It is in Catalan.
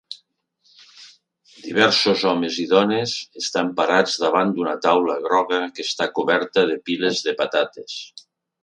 Diversos homes i dones estan parats davant d'una taula groga que està coberta de piles de patates